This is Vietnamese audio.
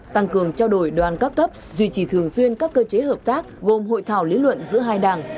tăng cường trao đổi đoàn các cấp duy trì thường xuyên các cơ chế hợp tác gồm hội thảo lý luận giữa hai đảng